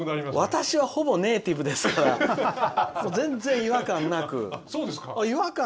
私はほぼネイティブですから全然、違和感なく。